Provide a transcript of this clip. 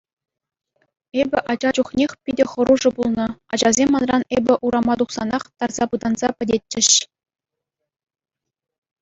Эпӗ ача чухнех питӗ хӑрушӑ пулнӑ, ачасем манран эпӗ урама тухсанах тарса пытанса пӗтетчӗҫ.